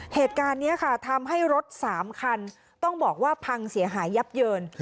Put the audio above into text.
เหตุการณ์นี้ค่ะทำให้รถ๓คันต้องบอกว่าพังเสียหายยับเยิน